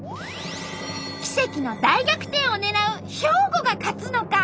奇跡の大逆転を狙う兵庫が勝つのか！？